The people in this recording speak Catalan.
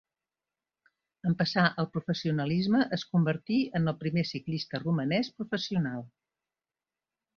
En passar al professionalisme es convertí en el primer ciclista romanès professional.